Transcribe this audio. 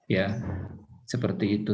ya seperti itu